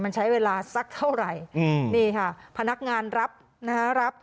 มันใช้เวลาสักเท่าไหร่นี่ค่ะพนักงานรับนะฮะรับ